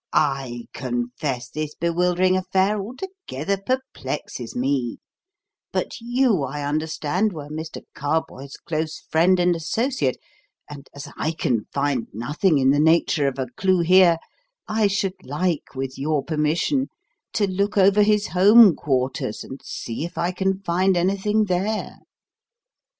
"I confess this bewildering affair altogether perplexes me; but you, I understand, were Mr. Carboys' close friend and associate, and as I can find nothing in the nature of a clue here, I should like, with your permission, to look over his home quarters and see if I can find anything there."